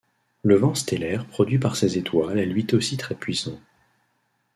Le vent stellaire produit par ces étoiles est lui aussi très puissant.